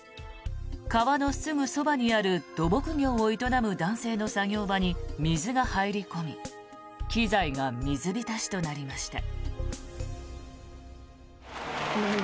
川のすぐそばにある土木業を営む男性の作業場に水が入り込み機材が水浸しとなりました。